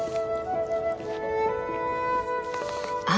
あ！